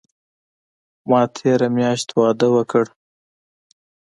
ما تیره میاشت واده اوکړ